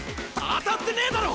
当たってねえだろ！？